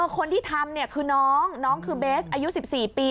คนที่ทำคือน้องน้องคือเบสอายุ๑๔ปี